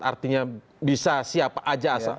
artinya bisa siapa aja